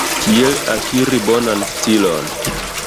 Kiel akiri bonan stilon?